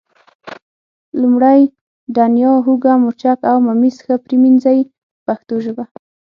لومړی دڼیا، هوګه، مرچک او ممیز ښه پرېمنځئ په پښتو ژبه.